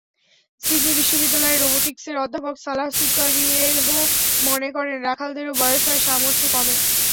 Sydney বিশ্ববিদ্যালয়ের রোবোটিকসের অধ্যাপক সালাহ সুকারিয়েহ্ মনে করেন, রাখালদেরও বয়স হয়, সামর্থ্য কমে।